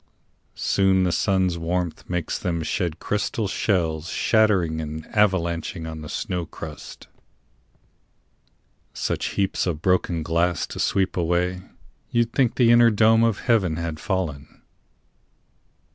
Soon the sun's warmth makes them shed crystal shells Shattering and avalanching on the snow crust Such heaps of broken glass to sweep away You'd think the inner dome of heaven had fallen.